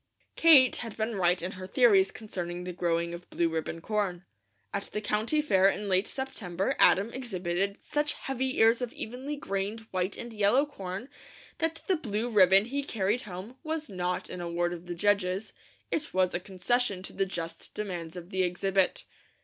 Kate had been right in her theories concerning the growing of blue ribbon corn. At the County Fair in late September Adam exhibited such heavy ears of evenly grained white and yellow corn that the blue ribbon he carried home was not an award of the judges; it was a concession to the just demands of the exhibit.